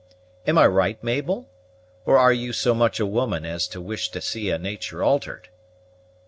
Am I right, Mabel, or are you so much a woman as to wish to see a natur' altered?"